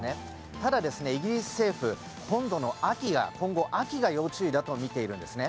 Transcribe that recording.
ただ、イギリス政府今後、秋が要注意だと見ているんですね。